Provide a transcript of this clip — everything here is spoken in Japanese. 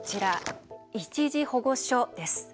一時保護所です。